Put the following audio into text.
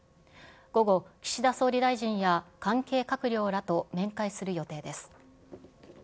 午後、岸田総理大臣や関係閣僚らと面会する予定です。